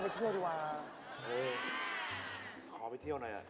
ขอไปเที่ยวหน่อย